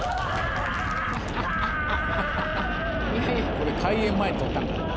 これ開園前撮ったんかな。